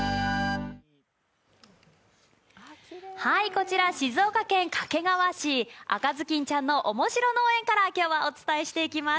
こちら、静岡県掛川市、赤ずきんちゃんのおもしろ農園から今日はお伝えしていきます。